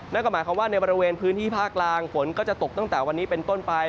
นั่นก็หมายความว่าในบริเวณพื้นที่ภาคกลางฝนก็จะตกตั้งแต่วันนี้เป็นต้นไป